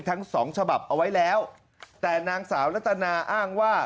ทั้งสองฉบับเอาไว้แล้วแต่นางสาวรัตนาอ้างว่า